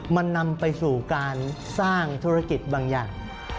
มันนำไปสู่การสร้างธุรกิจบางอย่าง